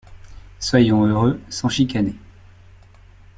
Soyons heureux sans chicaner.